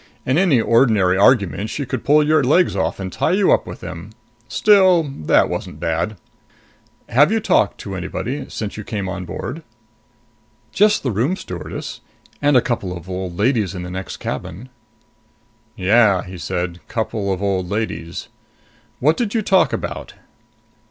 "In any ordinary argument she could pull your legs off and tie you up with them. Still, that wasn't bad. Have you talked to anybody since you came on board?" "Just the room stewardess. And a couple of old ladies in the next cabin." "Yeah," he said. "Couple of old ladies. What did you talk about?"